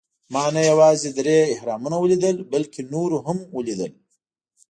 ما نه یوازې درې اهرامونه ولیدل، بلکې نور یې هم ولېدل.